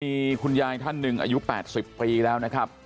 มีคุณยายท่านหนึ่งอายุ๘๐ปีแล้วนะครับ